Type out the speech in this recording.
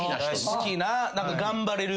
好きな。